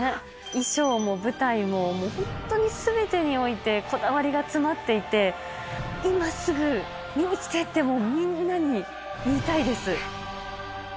衣装も舞台も、本当にすべてにおいてこだわりが詰まっていて、今すぐ見に来てって、みんなに言いたいです。